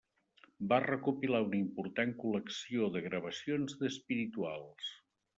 Va recopilar una important col·lecció de gravacions d'espirituals.